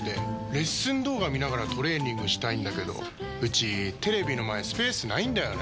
レッスン動画見ながらトレーニングしたいんだけどうちテレビの前スペースないんだよねー。